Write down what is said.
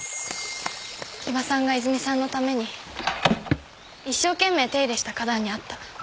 木場さんが泉さんのために一生懸命手入れした花壇にあった。